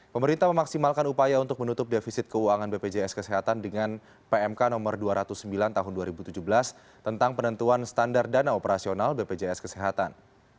pemerintah memaksimalkan upaya untuk menutup defisit keuangan bpjs kesehatan dengan pmk no dua ratus sembilan tahun dua ribu tujuh belas tentang penentuan standar dana operasional bpjs kesehatan